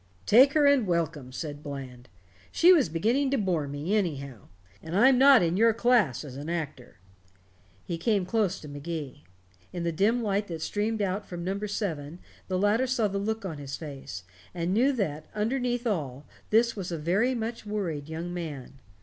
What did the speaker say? "Take her and welcome," said Bland. "She was beginning to bore me, anyhow. And I'm not in your class as an actor." He came close to Magee. In the dim light that streamed out from number seven the latter saw the look on his face, and knew that, underneath all, this was a very much worried young man.